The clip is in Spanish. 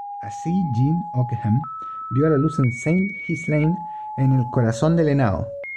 Así Jean Ockeghem vio la luz en Saint–Ghislain, en el corazón del Henao.